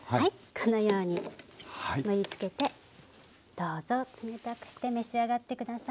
このように盛りつけてどうぞ冷たくして召し上がって下さい。